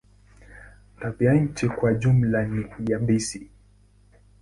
Tabianchi kwa jumla ni yabisi.